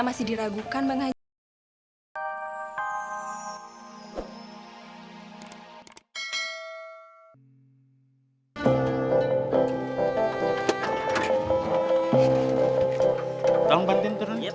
kita masih diragukan bang haji